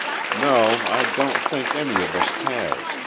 "No, I don't think any of us has.